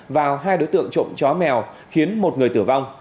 vào hai đối tượng trộm chó mèo khiến một người tử vong